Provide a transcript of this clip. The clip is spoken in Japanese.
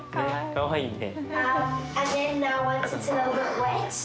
かわいいね。